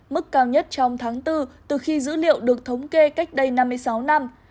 mức cao nhất trong tháng bốn từ khi dữ liệu được thống kê cách đây năm mươi sáu năm